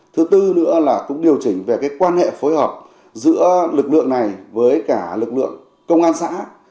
thứ tư nữa là cũng điều chỉnh về quan hệ phối hợp giữa lực lượng này với cả lực lượng công an xã